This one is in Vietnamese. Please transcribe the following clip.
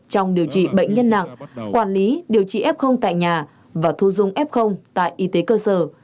trong điều trị bệnh nhân nặng quản lý điều trị f tại nhà và thu dung f tại y tế cơ sở